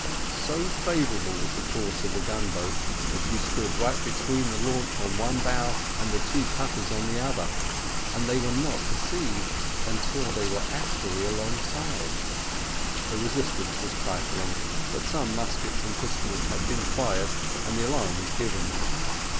So favourable was the course of the gun boat, that she stood right between the launch on one bow and the two cutters on the other; and they were not perceived until they were actually alongside; the resistance was trifling, but some muskets and pistols had been fired, and the alarm was given.